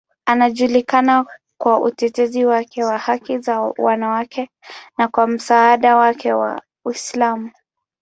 Anajulikana kwa utetezi wake wa haki za wanawake na kwa msaada wake wa Uislamu.